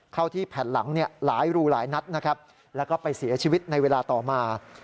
เข้าที่แผ่นหลังเนี่ยหลายรูหลายนัดนะครับแล้วก็ไปเสียชีวิตในเวลาต่อมา